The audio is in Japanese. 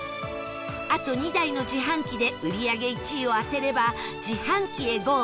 あと２台の自販機で売り上げ１位を当てれば自販機へゴー！